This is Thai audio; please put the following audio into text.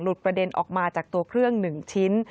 หลุดประเด็นออกมาจากตัวเครื่องหนึ่งชิ้น